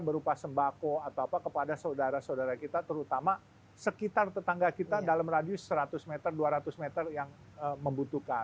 berupa sembako atau apa kepada saudara saudara kita terutama sekitar tetangga kita dalam radius seratus meter dua ratus meter yang membutuhkan